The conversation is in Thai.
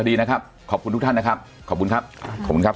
ดีนะครับขอบคุณทุกท่านนะครับขอบคุณครับขอบคุณครับ